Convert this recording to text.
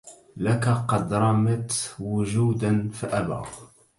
لك قد رمت وجودا فأبى